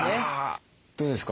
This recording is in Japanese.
どうですか？